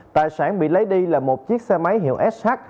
tài sản bị lấy đi là một chiếc xe máy hiệu sh